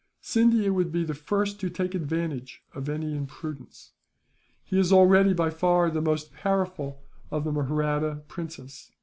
"Scindia would be the first to take advantage of any imprudence. He is already, by far, the most powerful of the Mahratta princes.